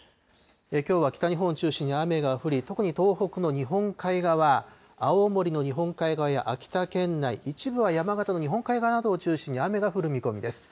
きょうは北日本を中心に雨が降り、特に東北の日本海側、青森の日本海側や秋田県内、一部は山形の日本海側などを中心に雨が降る見込みです。